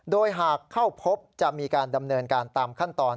โดยหากเข้าพบจะมีการดำเนินการตามขั้นตอน